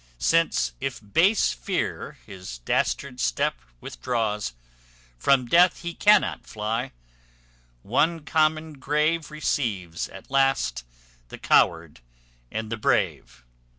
Since, if base fear his dastard step withdraws, From death he cannot fly: One common grave Receives, at last, the coward and the brave.'"